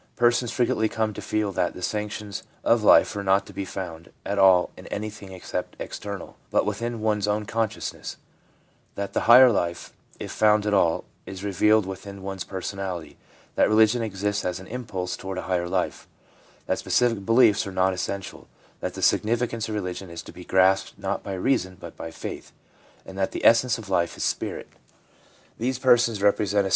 Persons frequently come to feel that the sanctions of life are not to be found at all in any thing external, but within one's own consciousness ; that the higher life, if found at all, is revealed within one's personality; that religion exists as an impulse toward a higher life ; that specific beliefs are non essential, that the significance of religion is to be grasped not by reason, but by faith ; and that the essence of life is spirit. These persons represent q.